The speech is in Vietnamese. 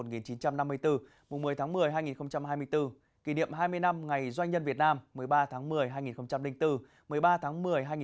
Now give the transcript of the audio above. một mươi tháng một mươi hai nghìn hai mươi bốn kỷ niệm hai mươi năm ngày doanh nhân việt nam một mươi ba tháng một mươi hai nghìn bốn một mươi ba tháng một mươi hai nghìn hai mươi bốn